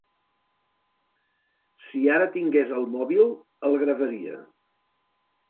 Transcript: Si ara tingués el mòbil el gravaria.